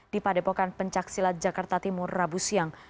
di padepokan pencaksilat jakarta timur rabu siang